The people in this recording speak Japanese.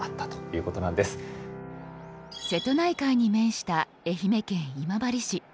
瀬戸内海に面した愛媛県今治市。